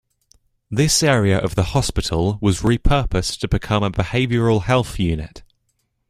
This area of the hospital was re-purposed to become a Behavioral Health Unit.